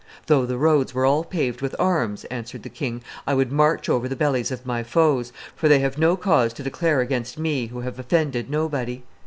"Though the roads were all paved with arms," answered the king, "I would march over the bellies of my foes, for they have no cause to declare against me, who have offended nobody.